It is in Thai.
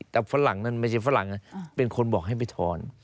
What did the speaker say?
แต่ฝรั่งนั้นไม่ใช่ฝรั่งเป็นคนบอกให้ไปถอน